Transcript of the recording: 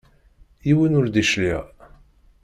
Yiwen ur d-icliɛ.